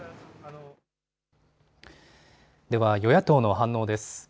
では与野党の反応です。